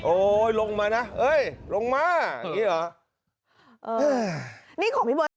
โอ้โหลงมานะเอ้ยลงมาอย่างนี้เหรอ